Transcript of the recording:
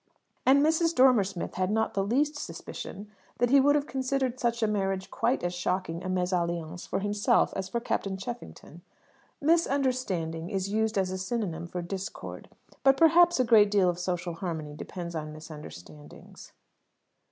And Mrs. Dormer Smith had not the least suspicion that he would have considered such a marriage quite as shocking a mésalliance for himself as for Captain Cheffington. "Misunderstanding" is used as a synonym for "discord;" but, perhaps, a great deal of social harmony depends on misunderstandings.